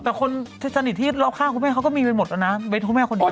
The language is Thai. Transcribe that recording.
แต่คนสนิทที่รอบข้างคุณแม่เขาก็มีไปหมดแล้วนะเบสคุณแม่คนเดียว